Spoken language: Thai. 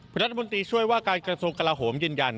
รัฐมนตรีช่วยว่าการกระทรวงกลาโหมยืนยัน